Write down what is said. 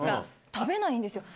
食べないんですよ。